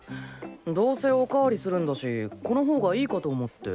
どうせおかわりするんだしこの方がいいかと思って。